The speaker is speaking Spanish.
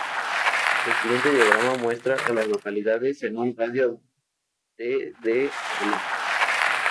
El siguiente diagrama muestra a las localidades en un radio de de Havelock.